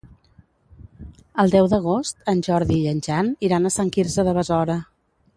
El deu d'agost en Jordi i en Jan iran a Sant Quirze de Besora.